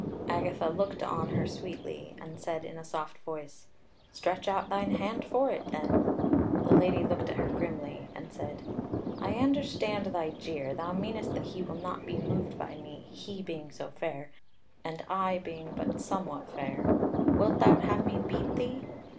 Agatha looked on her sweetly, and said in a soft voice: "Stretch out thine hand for it then." The Lady looked at her grimly, and said: "I understand thy jeer; thou meanest that he will not be moved by me, he being so fair, and I being but somewhat fair. Wilt thou have me beat thee?